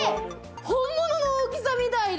本物の大きさみたいだ。